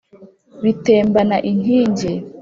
Bitembana inkingi